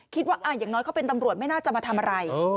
อย่างน้อยเขาเป็นตำรวจไม่น่าจะมาทำอะไร